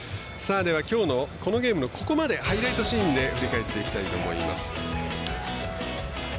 きょうのこのゲームハイライトシーンで振り返っていきたいと思います。